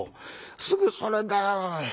すぐそれだよおい。